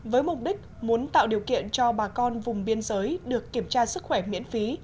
với mục đích muốn tạo điều kiện cho bà con vùng biên giới được kiểm tra sức khỏe miễn phí